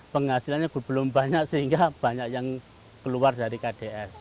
penghasilannya belum banyak sehingga banyak yang keluar dari kds